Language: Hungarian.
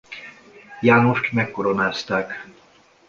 Jánost megkoronázták.